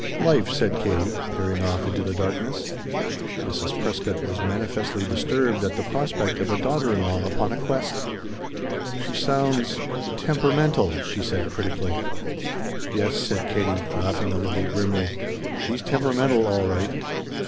"Life," said Katie, peering off into the darkness. Mrs. Prescott was manifestly disturbed at the prospect of a daughter in law upon a quest. "She sounds temperamental," she said critically. "Yes," said Katie, laughing a little grimly, "she's temperamental all right."